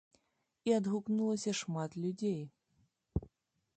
І адгукнулася шмат людзей.